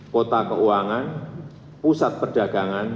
kota keuangan pusat perdagangan